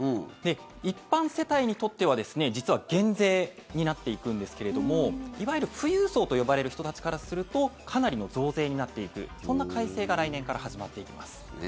一般世帯にとっては実は減税になっていくんですけどいわゆる富裕層と呼ばれる人たちからするとかなりの増税になっていくそんな改正が来年から始まっていきます。